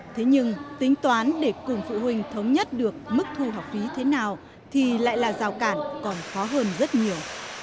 thế nhưng tính toán để cùng phụ huynh thống nhất được mức thu học phí thế nào thì lại là rào cản còn khó hơn rất nhiều